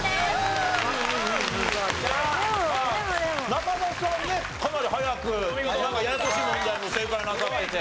中田さんねかなり早くややこしい問題も正解なさってて。